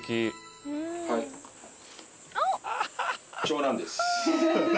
長男です。